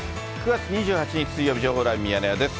９月２８日水曜日、情報ライブミヤネ屋です。